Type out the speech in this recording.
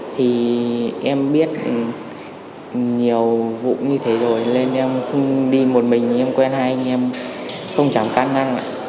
thì em biết nhiều vụ như thế rồi nên em không đi một mình em quen hai anh em không chẳng can năng